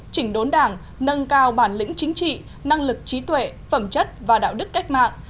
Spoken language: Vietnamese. chỉnh đốn đảng nâng cao bản lĩnh chính trị năng lực trí tuệ phẩm chất và đạo đức cách mạng